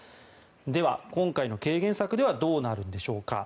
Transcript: では、今回の軽減策ではどうなるんでしょうか。